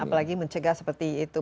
apalagi mencegah seperti itu